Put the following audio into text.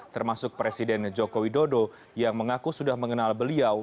termasuk presiden joko widodo yang mengaku sudah mengenal beliau